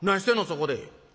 そこで」。